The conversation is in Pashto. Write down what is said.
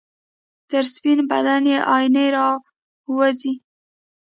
تر سپین بدن یې آئینې راوځي